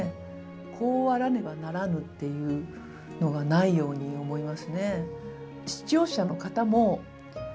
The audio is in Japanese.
こうあらねばならぬっていうのがないように思いますね。